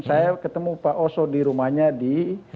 saya ketemu pak oso di rumahnya di